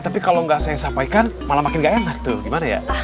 tapi kalau enggak saya sampai itu malah makin gak enak tuh gimana ya